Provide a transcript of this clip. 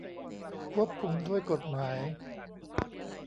ควบคุมด้วยกฎหมาย